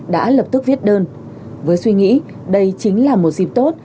đã lập tức viết đơn với suy nghĩ đây chính là một dịp tốt